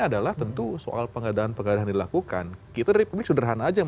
dalam hal pengembangan dilakukan tentu saja